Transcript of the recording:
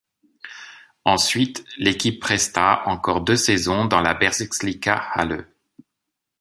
Ensuite, l’équipe presta encore deux saisons dans la Bezirksliga Halle.